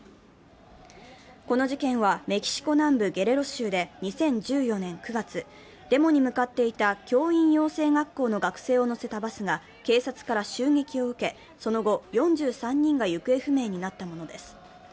この事件はメキシコ南部ゲレロ州で２０１４年９月、デモに向かっていた教員養成学校の学生を乗せたバスが警察から襲撃を受け、その後、４３人が行方不明になったものです。